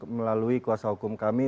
melalui kuasa hukum kami